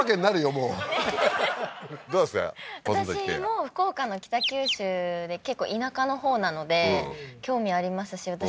私も福岡の北九州で結構田舎のほうなので興味ありますし私